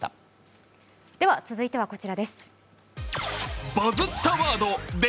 続いては、こちらです。